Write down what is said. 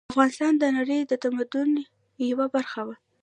افغانستان د نړۍ د تمدن یوه برخه وه